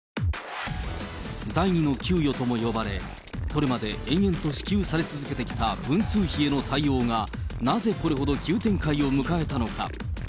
第２の給与とも呼ばれ、これまで延々と支給され続けてきた文通費への対応が、なぜこれほど急展開を迎えたのか。